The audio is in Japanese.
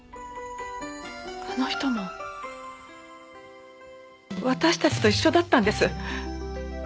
あの人も私たちと一緒だったんです。